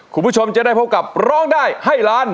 คุณผู้ชมจะได้พบกับร้องได้ให้ล้าน